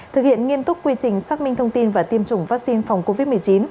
thực hiện nghiêm túc quy trình xác minh thông tin và tiêm chủng vaccine phòng covid một mươi chín